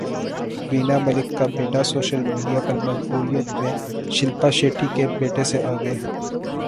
وینا ملک کا بیٹا social media پر مقبولیت میں شلپا شیٹھی کے بیٹے سے آگے